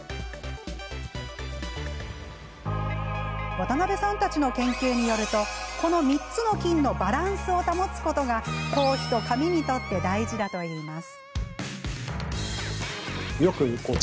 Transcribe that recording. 渡邉さんたちの研究によるとこの３つの菌のバランスを保つことが頭皮と髪にとって大事だといいます。